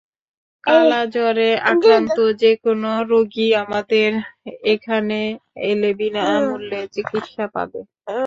কালাজ্বরে আক্রান্ত যেকোনো রোগী আমাদের এখানে এলে বিনা মূল্যে চিকিৎসা পাবে।